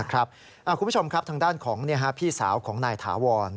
คุณผู้ชมครับทางด้านของพี่สาวของนายถาวร